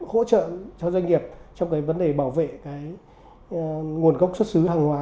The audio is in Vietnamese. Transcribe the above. hỗ trợ cho doanh nghiệp trong cái vấn đề bảo vệ cái nguồn gốc xuất xứ hàng hóa